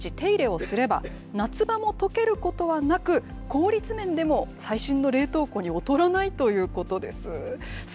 しかもこの氷、毎日手入れをすれば、夏場もとけることはなく、効率面でも最新の冷凍庫に劣らないということです。